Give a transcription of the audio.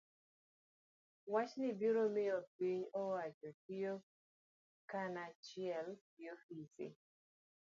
Wachni biro miyo piny owacho tiyo kanachiel gi ofise